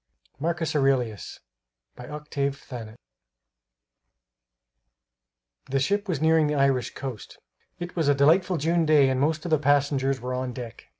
MARCUS AURELIUS By Octave Thanet The ship was nearing the Irish coast. It was a delightful June day and most of the passengers were on deck.